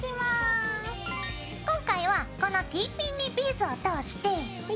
今回はこのＴピンにビーズを通して。